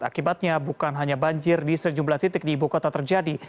akibatnya bukan hanya banjir di sejumlah titik di ibu kota terjadi